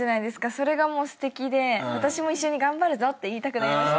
それがもうすてきで私も一緒に頑張るぞって言いたくなりました。